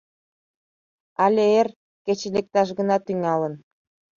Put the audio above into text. Але эр, кече лекташ гына тӱҥалын.